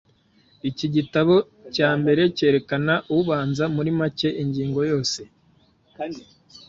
Iki gitabo cya mbere cyerekana, ubanza muri make, ingingo yose,